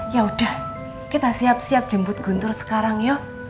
ya udah kita siap siap jemput guntur sekarang ya